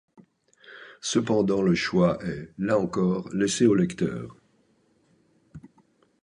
Cependant le choix est, là encore, laissé au lecteur.